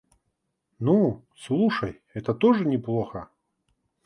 Ну, слушай, это тоже неплохо.